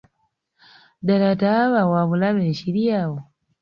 Ddaala ttaaba wabulabe ekiri awo?